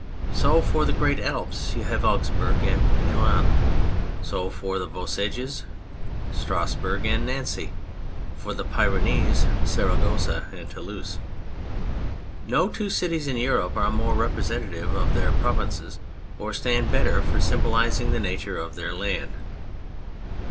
So, for the great Alps, you have Augsburg and Milan ; so for the Vosges, Stnisburg and Nancy ; so for the Pyrenees, Saragossa and Toulouse. No two cities in Europe are more i epresentative of their provinces or stand better for symbolising the nature of their land.